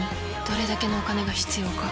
「どれだけのお金が必要か」